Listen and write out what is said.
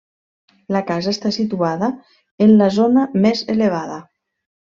La casa està situada en la zona més elevada.